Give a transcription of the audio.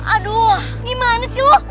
aduh gimana sih lu